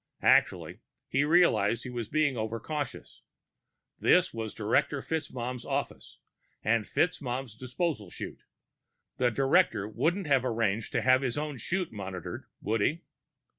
Actually, he realized he was being overcautious. This was Director FitzMaugham's office and FitzMaugham's disposal chute. The director wouldn't have arranged to have his own chute monitored, would he?